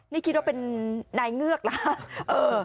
นี่คิดว่าเป็นนายเงือกเหรอฮะ